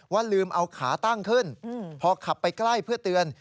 ลืมเอาขาตั้งขึ้นพอขับไปใกล้เพื่อเตือน